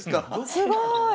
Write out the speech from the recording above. すごい！